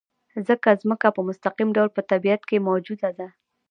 ځکه ځمکه په مستقیم ډول په طبیعت کې موجوده ده.